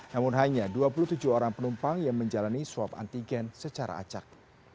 namun hanya dua puluh tujuh orang penumpang yang menjalani swab antigen secara acak